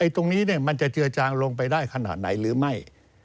ตรงนี้มันจะเจือจางลงไปได้ขนาดไหนหรือไม่